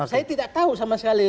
saya tidak tahu sama sekali